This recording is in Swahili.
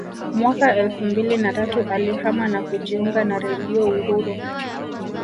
Mwaka elfu mbili na tatu alihama na kujiunga na Redio Uhuru